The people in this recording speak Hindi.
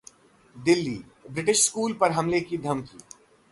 दिल्लीः ब्रिटिश स्कूल पर हमले की धमकी